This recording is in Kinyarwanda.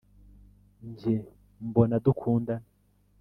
Njye mbona dukundana